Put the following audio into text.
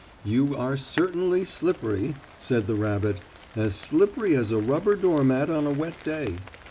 "You are certainly slippery," said the rabbit, "as slippery as a rubber doormat on a wet day.